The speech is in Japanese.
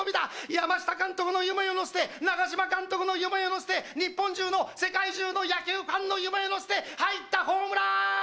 山下監督の夢を乗せて、長嶋監督の夢を乗せて、日本中の世界中の野球ファンの夢を乗せて入ったホームラン！